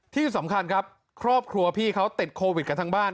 ที่สำคัญครับครอบครัวพี่เขาติดโควิดกันทั้งบ้าน